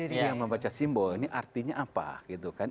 iya baca simbol ini artinya apa gitu kan